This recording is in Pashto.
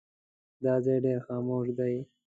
دا ځای ډېر خاموش دی.